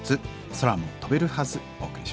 「空も飛べるはず」お送りしました。